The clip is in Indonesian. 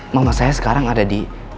mama saya sekarang ada di